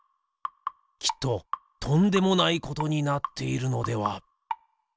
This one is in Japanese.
きっととんでもないことになっているのでは。